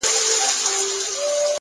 هره ورځ نوی درس وړاندې کوي!